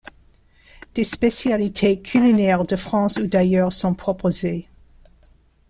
Des spécialités culinaires de France ou d'ailleurs sont proposées.